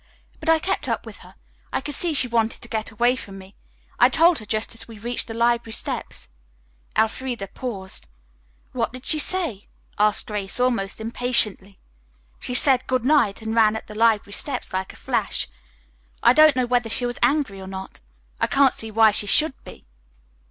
But I kept up with her. I could see she wanted to get away from me. I told her just as we reached the library steps." Elfreda paused. "Well, what did she say?" asked Grace almost impatiently. "She said 'good night' and ran up the library steps like a flash. I don't know whether she was angry or not. I can't see why she should be."